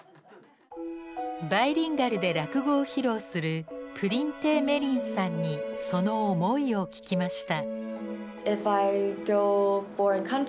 バイリンガルで落語を披露するぷりん亭芽りんさんにその思いを聞きました。